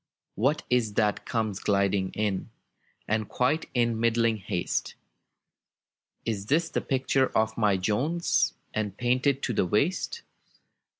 what is that comes gliding in, And quite in middling haste? It is the picture of my Jones, And painted to the waist.